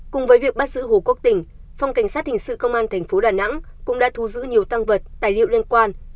cùng với việc bắt giữ hồ quốc tỉnh phòng cảnh sát hình sự công an thành phố đà nẵng cũng đã thu giữ nhiều tăng vật tài liệu liên quan